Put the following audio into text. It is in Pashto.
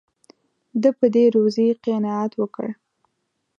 ده په دې روزي قناعت وکړ.